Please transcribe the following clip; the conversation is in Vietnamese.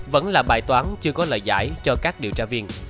vẫn là bài toán chưa có lời giải cho các điều tra viên